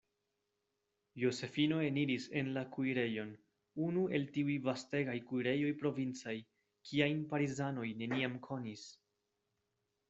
Josefino eniris en la kuirejon, unu el tiuj vastegaj kuirejoj provincaj, kiajn Parizanoj neniam konis.